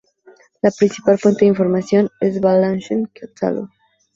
La principal fuente de información es The Balanchine Catalog.